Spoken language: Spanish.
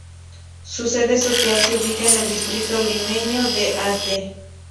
Su sede social se ubica en el distrito limeño de Ate.